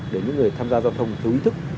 để những người tham gia giao thông thiếu ý thức